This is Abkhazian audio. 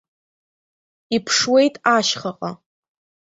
Иԥшуеит ашьхаҟа.